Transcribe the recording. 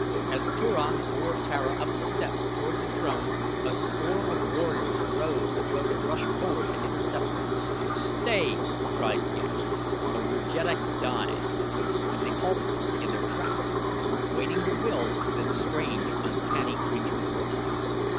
As Turan bore Tara up the steps toward the throne a score of warriors rose as though to rush forward to intercept them. "Stay!" cried Ghek, "or your jeddak dies," and they halted in their tracks, waiting the will of this strange, uncanny creature.